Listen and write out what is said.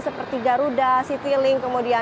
seperti garuda citylink kemudian